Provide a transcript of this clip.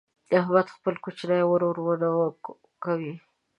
احمد خپل کوچنی ورور ونه ونه کوي.